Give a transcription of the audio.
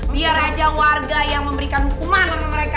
biar aja warga yang memberikan hukuman sama mereka